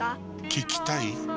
聞きたい？